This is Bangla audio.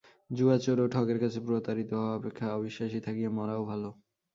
জুয়াচোর ও ঠকের কাছে প্রতারিত হওয়া অপেক্ষা অবিশ্বাসী থাকিয়া মরাও ভাল।